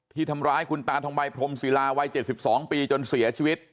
ที่ทำร้ายคุณตานทำใบพรมศีลาวัยเจ็ดสิบสองปีจนเสียชีวิต